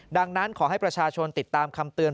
ดังนั้นขอให้ประชาชนติดตามคำเตือน